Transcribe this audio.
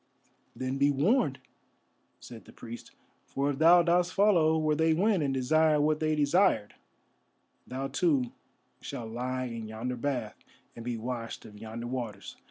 "Then be warned," said the priest, "for if thou dost follow where they went, and desire what they desired, thou too shalt lie in yonder bath, and be washed of yonder waters.